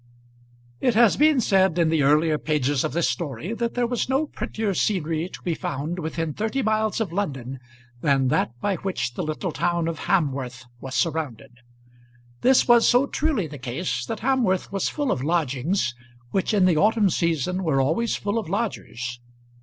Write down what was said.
It has been said in the earlier pages of this story that there was no prettier scenery to be found within thirty miles of London than that by which the little town of Hamworth was surrounded. This was so truly the case that Hamworth was full of lodgings which in the autumn season were always full of lodgers.